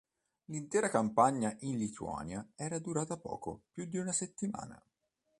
L'intera campagna in Lituania era durata poco più di una settimana.